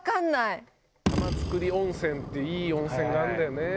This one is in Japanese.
玉造温泉っていい温泉があるんだよね。